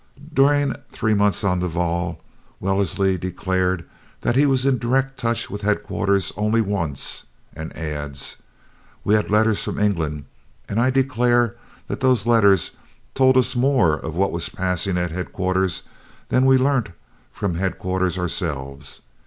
During three months on the Waal, Wellesley declares that he was in direct touch with headquarters only once, and adds: "We had letters from England, and I declare that those letters told us more of what was passing at headquarters than we learnt from the headquarters ourselves.